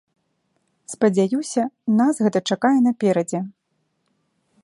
Спадзяюся, нас гэта чакае наперадзе.